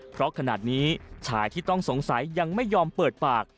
เพราะขนาดนี้ชายที่ต้องสงสัยยังไม่ยอมเปิดปาก